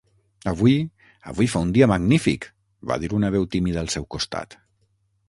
"Avui... avui fa un dia magnífic!", va dir una veu tímida al seu costat.